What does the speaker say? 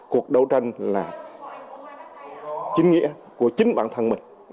cuộc đấu tranh là chính nghĩa của chính bản thân mình